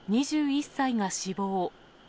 ２１歳が死亡。